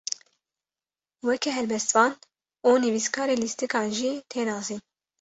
Weke helbestvan û nivîskarê lîstikan jî tê nasîn.